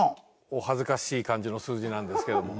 お恥ずかしい感じの数字なんですけども。